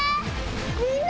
みんな！